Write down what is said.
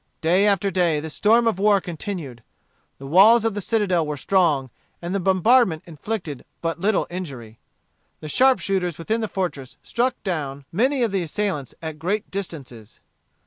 Day after day this storm of war continued. The walls of the citadel were strong, and the bombardment inflicted but little injury. The sharpshooters within the fortress struck down many of the assailants at great distances.